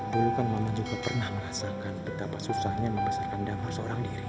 dulu kan mama juga pernah merasakan betapa susahnya membesarkan damar seorang diri